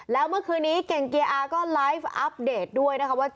แล้วเมื่อคืนนี้เก่งเกียร์อาก็ไลฟ์อัปเดตด้วยนะคะว่า